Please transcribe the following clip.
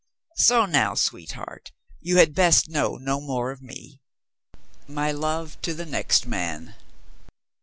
So now, sweetheart, you had best know no more of me. My love to the next man."